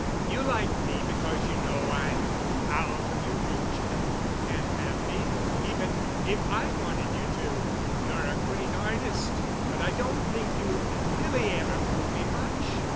You like me because you know I'm out of your reach and you can't have me even if I wanted you to. You're a great artist, but I don't think you really ever fooled me much.